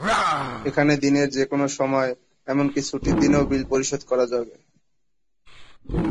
এখানে দিনের যেকোনো সময়, এমনকি ছুটির দিনেও বিল পরিশোধ করা যাবে।